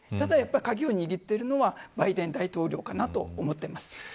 やはり鍵を握っているのはバイデン大統領かと思ってます。